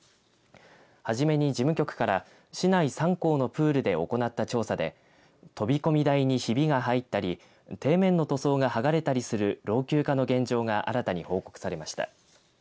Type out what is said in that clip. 初めに事務局から市内３校のプールで行った調査で飛び込み台に、ひびが入ったり底面の塗装がはがれたりする老朽化の現状が新たに報告されました。